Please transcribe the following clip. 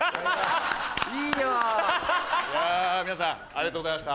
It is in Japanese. いやぁ皆さんありがとうございました。